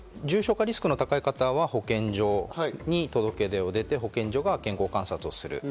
重症化リスクの高い方は保健所に届け出を出して、保健所が健康観察する。